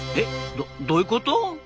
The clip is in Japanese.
どどういうこと？